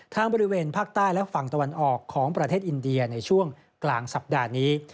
บริเวณภาคใต้และฝั่งตะวันออกของประเทศอินเดียในช่วงกลางสัปดาห์นี้